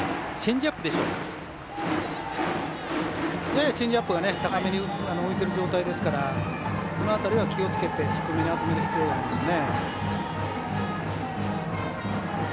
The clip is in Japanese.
ややチェンジアップが高めに浮いていると状態ですからこの辺りは、気をつけて低めに集める必要がありますね。